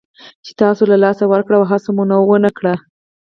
چې تاسو له لاسه ورکړل او هڅه مو ونه کړه.